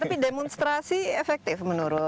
tapi demonstrasi efektif menurut